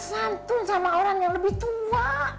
santun sama orang yang lebih tua